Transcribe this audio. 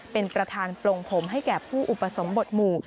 เป็นประธานปลงผมให้แก่ผู้อุปสมบทหมู่